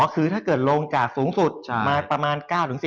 คือถ้าเกิดลงจากสูงสุดมาประมาณ๙๑๐